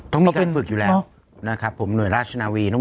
ต้องมีการฝึกอยู่แล้วนะครับผมหน่วยราชนาวีต้อง